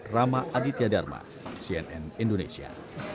rama aditya dharma cnn indonesia